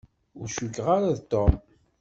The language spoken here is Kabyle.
Ur cukkeɣ ara d Tom.